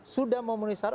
sudah mau menuhi syarat